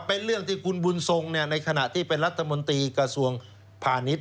เป็นเรื่องที่คุณบุญทรงในขณะที่เป็นรัฐมนตรีกระทรวงพาณิชย